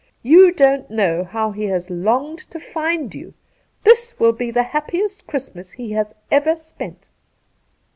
You don't know how he has longed to find you. This will be the happiest Christmas he has ever spent.'